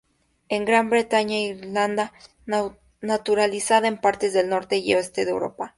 En Gran Bretaña e Irlanda.Naturalizada en partes del norte y oeste de Europa.